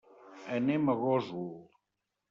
Anem a Gósol.